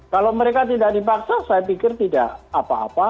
kalau mereka tidak dipaksa saya pikir tidak apa apa